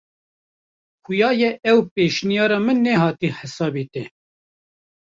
Xuya ye ev pêşniyara min nehate hesabê te.